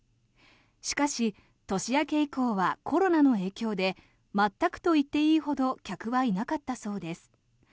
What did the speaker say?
しかし、年明け以降はコロナの影響で全くといっていいほど客はいなかったそうです。